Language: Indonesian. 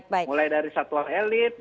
jadi saya sudah mulai dari satuan elit